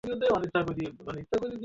এ কোন উপত্যকা?